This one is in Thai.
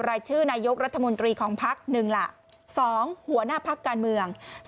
รายชื่อนายกรัฐมนตรีของพักหนึ่งล่ะ๒หัวหน้าพักการเมือง